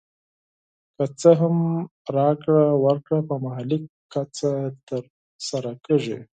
که څه هم راکړه ورکړه په محلي کچه تر سره کېږي